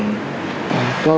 cô và cường